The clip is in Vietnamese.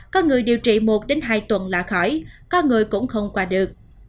có người điều trị một hai tuần là khỏi có người cũng không qua được